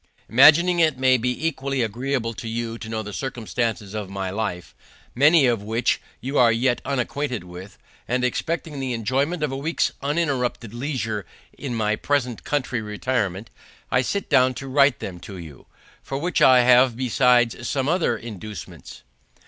Imagining it may be equally agreeable to you to know the circumstances of my life, many of which you are yet unacquainted with, and expecting the enjoyment of a week's uninterrupted leisure in my present country retirement, I sit down to write them for you. To which I have besides some other inducements.